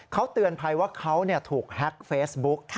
เขาเตือนภัยว่าเขาถูกแฮ็กเฟซบุ๊ก